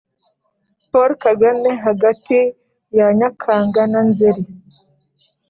paul kagame hagati ya nyakanga na nzeri